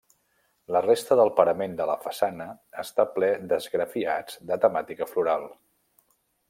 La resta del parament de la façana està ple d'esgrafiats de temàtica floral.